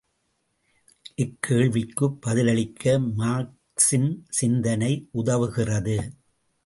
இக்கேள்விக்குப் பதிலளிக்க மார்க்சின் சிந்தனை உதவுகிறது.